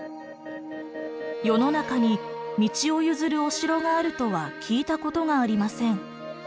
「世の中に道を譲るお城があるとは聞いたことがありません。